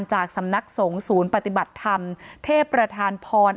จากสำนักสงฆ์ศูนย์ปฏิบัติธรรมเทพประธานพร